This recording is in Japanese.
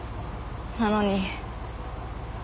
なのに。